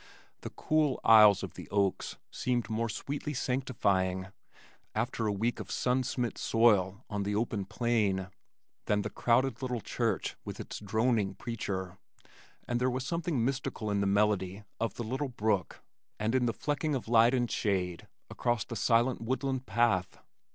The cool aisles of the oaks seemed more sweetly sanctifying (after a week of sun smit soil on the open plain) than the crowded little church with its droning preacher, and there was something mystical in the melody of the little brook and in the flecking of light and shade across the silent woodland path.